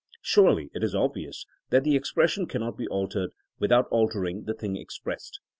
Surely it is obvious that the expression cannot be altered without altering the thing expressed!